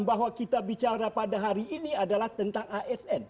bahwa kita bicara pada hari ini adalah tentang asn